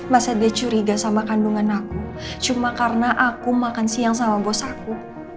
masa dia curiga sama kandungan aku cuma karena aku makan siang sama bos aku